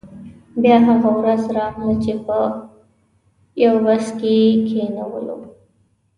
بیا هغه ورځ راغله چې په یو بس کې یې کینولو.